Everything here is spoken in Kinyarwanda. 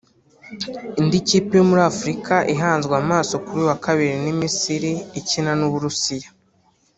Indi kipe yo muri Afurika ihanzwe amaso kuri uyu wa kabiri ni Misiri ikina n’u Burusiya